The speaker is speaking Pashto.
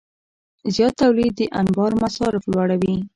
زیات تولید د انبار مصارف لوړوي.